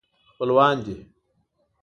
خپلوان دي.